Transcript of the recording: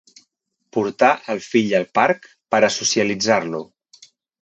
Portar el fill al parc per a socialitzar-lo.